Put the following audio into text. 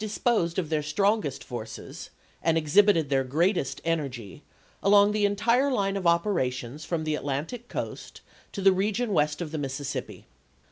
i\ disposed of their strongest forces, and ex hibited their greatest energy, along the entire line of operations from the Atlantic coast to the re gion West of the Mississippi.